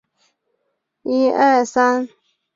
在那里神女俄诺斯爱上了他。